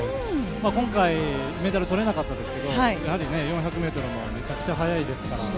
今回、メダルをとれなかったとしてもやはり、４００ｍもめちゃくちゃ速いですから。